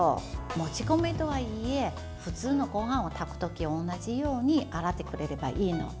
もち米とはいえ、普通のごはんを炊く時と同じように洗ってくれればいいので。